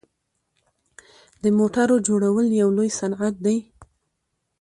د موټرو جوړول یو لوی صنعت دی.